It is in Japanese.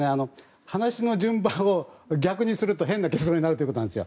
話の順番を逆にすると変な結論になるということなんです。